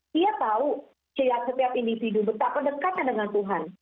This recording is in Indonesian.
dia tahu setiap individu betapa dekatnya dengan tuhan